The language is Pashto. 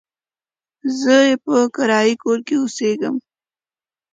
زه يې په کرايه کور کې اوسېږم.